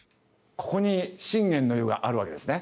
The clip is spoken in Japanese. ここに信玄の湯があるわけですね。